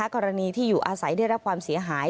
กรณีที่อยู่อาศัยได้รับความเสียหาย